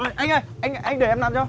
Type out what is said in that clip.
ôi anh ơi anh để em làm cho